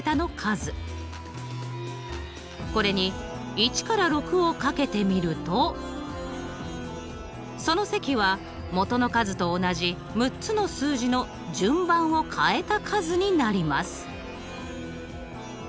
これに１から６を掛けてみるとその積はもとの数と同じ６つの数字の順番を変えた数になります。